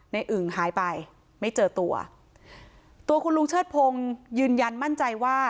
อึ่งหายไปไม่เจอตัวตัวคุณลุงเชิดพงศ์ยืนยันมั่นใจว่า